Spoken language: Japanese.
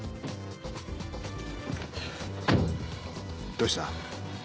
どうした？